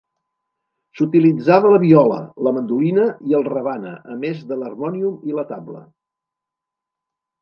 S'utilitzava la viola, la mandolina i el rebana a més de l'harmònium i la tabla.